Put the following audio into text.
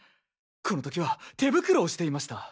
この時は手袋をしていました。